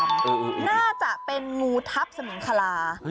น่าจะเป็นงูทัพสมิงคลา